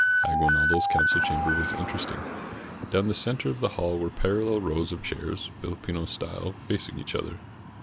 Aguinaldo's council chamber was interesting. Down the center of the hall were parallel rows of chairs, Filipino style, facing each other.